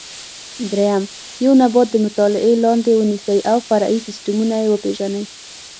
درېیم: یو نبات د مطالعې لاندې ونیسئ او فرعي سیسټمونه یې وپېژنئ.